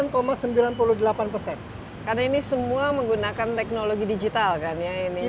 karena ini semua menggunakan teknologi digital kan ya